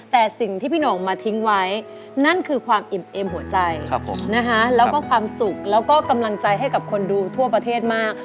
แต่สิ่งที่พี่หน่งมาทิ้งไว้นั่นคือความอิ่มเอ็มหัวใจแล้วก็ความสุขแล้วก็กำลังใจให้กับคนดูทั่วประเทศมาก